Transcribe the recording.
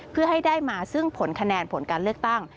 เพื่อให้ได้มาซึ่งผลคะแนนผลการเลือกตั้ง